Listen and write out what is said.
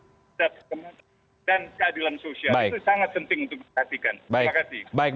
untuk diperhatikan terima kasih